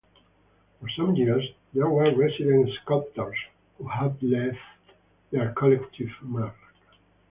For some years there were resident sculptors who have left their collective mark.